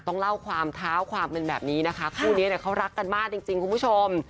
ต้องเล่าความเท้าความเป็นแบบนี้นะคะคู่นี้เนี่ยเขารักกันมากจริงคุณผู้ชม